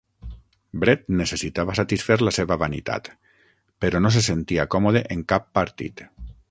Brett necessitava satisfer la seva vanitat, però no se sentia còmode en cap partit.